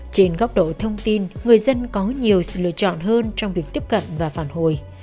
trên góc độ thông tin người dân có nhiều sự lựa chọn hơn trong việc tiếp cận và phản hồi